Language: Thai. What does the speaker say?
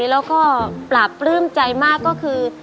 แล้วก็ปราบปลื้มใจมากก็คือ